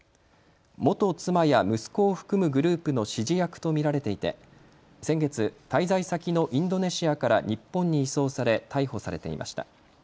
元妻や息子を含むグループの指示役と見られていて先月、滞在先のインドネシアから日本に移送され逮捕されていました。